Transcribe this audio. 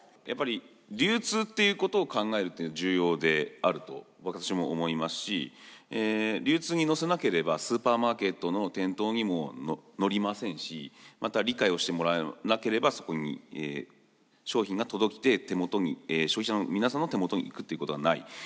やっぱり流通っていうことを考えるというの重要であると私も思いますし流通に乗せなければスーパーマーケットの店頭にも載りませんしまた理解をしてもらえなければそこに商品が届いて消費者の皆さんの手元に行くっていうことはない。